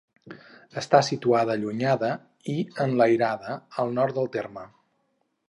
Està situada allunyada, i enlairada, al nord del terme.